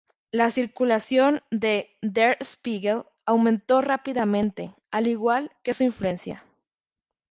La circulación de "Der Spiegel" aumentó rápidamente, al igual que su influencia.